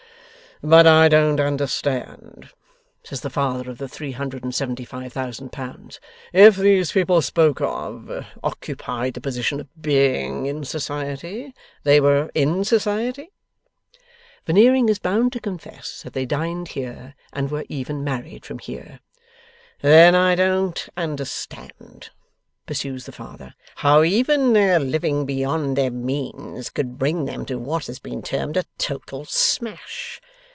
'But I don't understand,' says the Father of the three hundred and seventy five thousand pounds, ' if these people spoken of, occupied the position of being in society they were in society?' Veneering is bound to confess that they dined here, and were even married from here. 'Then I don't understand,' pursues the Father, 'how even their living beyond their means could bring them to what has been termed a total smash.